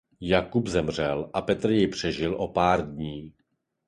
Jakub zemřel a Petr jej přežil o pár dní.